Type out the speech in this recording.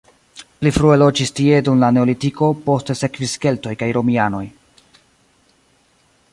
Pli frue loĝis tie dum la neolitiko, poste sekvis keltoj kaj romianoj.